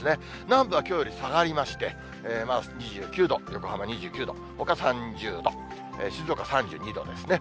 南部はきょうより下がりまして、２９度、横浜２９度、ほか３０度、静岡３２度ですね。